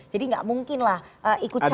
jadi nggak mungkinlah ikut campur